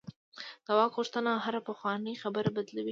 د واک غوښتنه هره پخوانۍ خبره بدلوي.